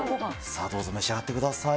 さあ、どうぞ、召し上がってください。